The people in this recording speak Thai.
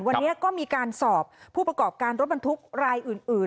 วันนี้ก็มีการสอบผู้ประกอบการรถบรรทุกรายอื่น